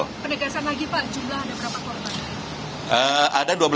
pernikasan lagi pak juga ada berapa korban